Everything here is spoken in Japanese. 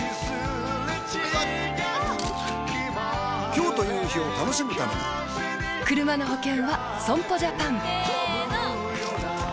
今日という日を楽しむためにクルマの保険は損保ジャパンせーの！